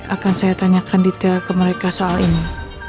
akan saya tanyakan detail ke mereka soal ini